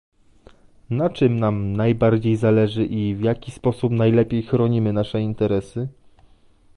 na czym nam najbardziej zależy i w jaki sposób najlepiej chronimy nasze interesy?